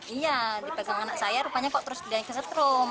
iya dipegang anak saya rupanya kok terus dia kesetrum